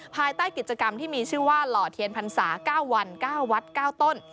ภายใต้กิจกรรมที่มีชื่อว่าหล่อเทียนพรรษา๙วัน๙วัด๙ต้น